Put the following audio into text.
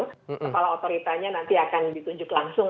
kepala otoritanya nanti akan ditunjuk langsung